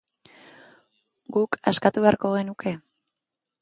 Guk askatu beharko genuke?